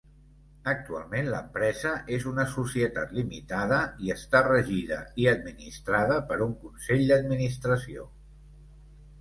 Actualment l'empresa és una societat limitada i està regida i administrada per un Consell d'Administració.